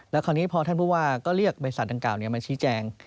แล้วคราวนี้พอท่านผู้ว่าก็เรียกบริษัทดังกล่าวมาชี้แจง